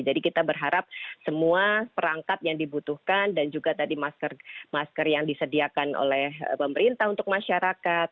jadi kita berharap semua perangkat yang dibutuhkan dan juga tadi masker masker yang disediakan oleh pemerintah untuk masyarakat